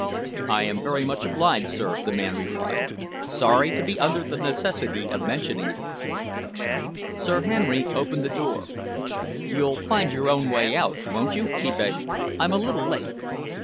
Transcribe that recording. "I am very much obliged, sir," the man replied. "Sorry to be under the necessity of mentioning it." Sir Henry opened the door. "You'll find your own way out, won't you?" he begged. "I'm a little late."